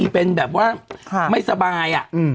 เป็นแบบว่าไม่สบาย